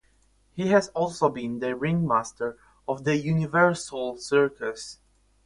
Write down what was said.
He has also been the ringmaster of the UniverSoul Circus.